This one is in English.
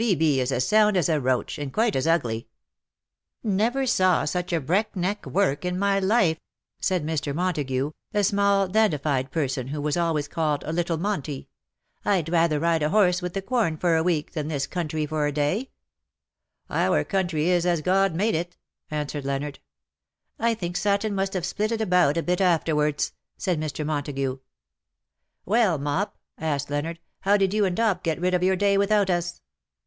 " B. B. is as sound as a roach — and quite as ugly." ^^ Never saw such break neck work in my life," said Mr. Montagu, a small dandified person who THAT THE DAY WILL END." 207 was always called " little Monty/^ ^'^ I''d rather ride a horse with the Quorn for a week than in this country for a day/"* ^' Our country is as God made it/^ answered Leonard. *^ I think Satan must have split it about a bit afterwards," said Mr. Montagu. " AVellj Mop/^ asked Leonard,, '' how did you and Dop get rid of your day without us